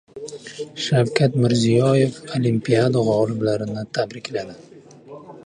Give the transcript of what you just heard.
Shavkat Mirziyoyev olimpiada g‘oliblarini tabrikladi